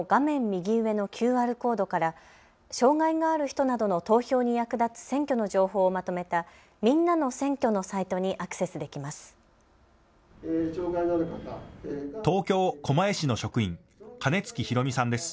右上のＱＲコードから障害がある人などの投票に役立つ選挙の情報をまとめたみんなの選挙のサイトにアクセスできます。